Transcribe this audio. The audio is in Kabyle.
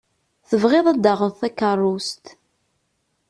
Tebɣiḍ ad d-taɣeḍ takeṛṛust.